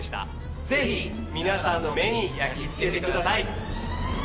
ぜひ皆さんの目に焼き付けてください。